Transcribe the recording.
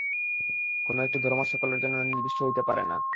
কোন একটি ধর্ম সকলের জন্য নির্দিষ্ট হইতে পারে না।